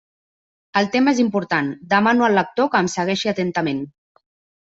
El tema és important; demano al lector que em segueixi atentament.